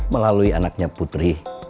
melalui anaknya putri